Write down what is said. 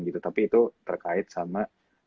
gitu tapi itu terkait sama